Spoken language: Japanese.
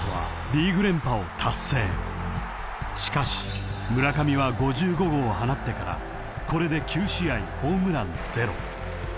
［しかし村上は５５号を放ってからこれで９試合ホームランゼロ］